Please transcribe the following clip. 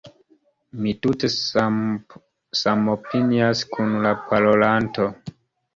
Mi tute samopinias kun la parolanto.